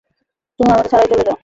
তোমরা আমাকে ছাড়াই চলে যাও।